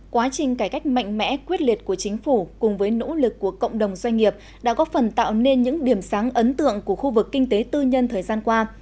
quá trình cải cách mạnh mẽ quyết liệt của chính phủ cùng với nỗ lực của cộng đồng doanh nghiệp đã có phần tạo nên những điểm sáng ấn tượng của khu vực kinh tế tư nhân thời gian qua